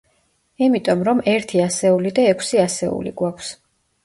იმიტომ რომ, ერთი ასეული და ექვსი ასეული გვაქვს.